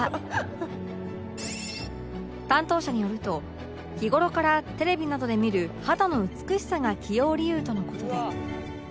担当者によると日頃からテレビなどで見る肌の美しさが起用理由との事で